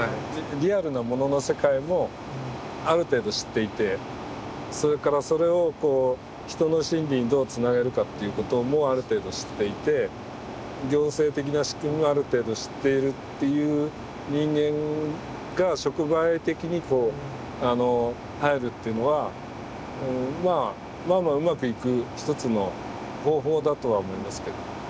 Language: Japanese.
リアルなものの世界もある程度知っていてそれからそれをこう人の心理にどうつなげるかっていうこともある程度知っていて行政的な仕組みもある程度知っているっていう人間が触媒的にこう入るっていうのはまあまあまあうまくいく一つの方法だとは思いますけども。